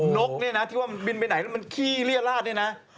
นกเนี่ยนะที่ว่ามันบินไปไหนแล้วมันขี้เรียราชเนี่ยนะ